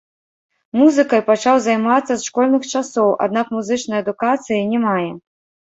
Музыкай пачаў займацца з школьных часоў, аднак музычнай адукацыі не мае.